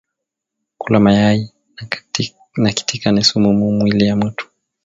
Kula mayayi na kitika ni sumu mu mwili ya mutu